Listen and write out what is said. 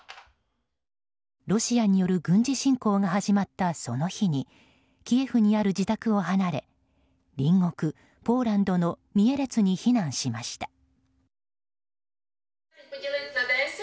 ロシアによる軍事侵攻が始まったその日にキエフにある自宅を離れ隣国ポーランドのミエレツに避難しました。